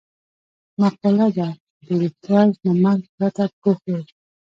مقوله ده: تر ډېر احتیاج نه مرګ پرده پوښ دی.